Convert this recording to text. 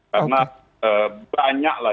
karena banyak lah